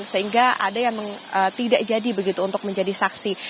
sehingga ada yang tidak jadi begitu untuk menjadi saksi